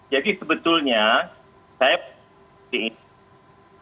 ya jadi sebetulnya saya